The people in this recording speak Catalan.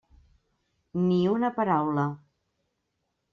Ni una paraula.